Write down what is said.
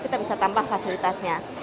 kita bisa tambah fasilitasnya